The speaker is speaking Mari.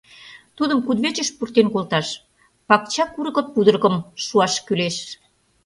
Тудым кудывечыш пуртен колташ, пакча курго пудыргым шуаш кӱлеш.